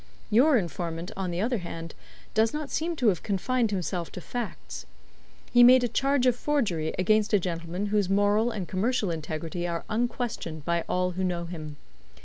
Your informant, on the other hand, does not seem to have confined himself to facts. He made a charge of forgery against a gentleman whose moral and commercial integrity are unquestioned by all who know him.